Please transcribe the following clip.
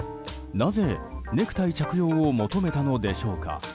なぜネクタイ着用を求めたのでしょうか。